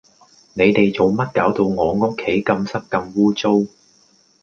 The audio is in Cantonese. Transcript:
你哋做乜搞到我屋企咁濕咁污糟